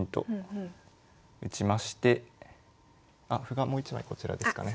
あ歩がもう一枚こちらですかね。